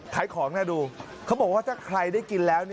ขายของน่าดูเขาบอกว่าถ้าใครได้กินแล้ว